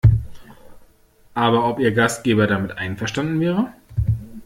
Aber ob ihr Gastgeber damit einverstanden wäre?